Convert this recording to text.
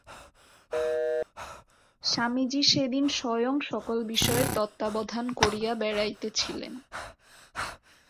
স্বামীজী সেদিন স্বয়ং সকল বিষয়ের তত্ত্বাবধান করিয়া বেড়াইতেছিলেন।